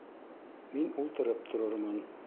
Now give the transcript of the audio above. Мин ултырып торормон.